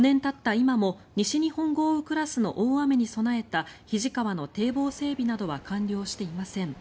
今も西日本豪雨クラスの大雨に備えた肱川の堤防整備などは完了していません。